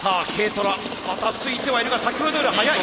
トラばたついてはいるが先ほどよりは速い。